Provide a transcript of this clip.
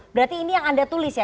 berarti ini yang anda tulis ya